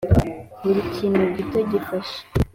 buri kintu gito gifasha